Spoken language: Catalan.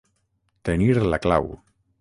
Tenir la clau.